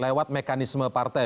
lewat mekanisme partai